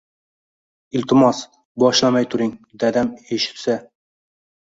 Iltimos, boshlamay turing, dadam eshitsa…